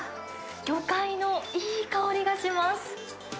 魚介のいい香りがします。